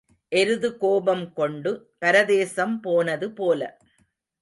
எருது கோபம் கொண்டு பரதேசம் போனது போல.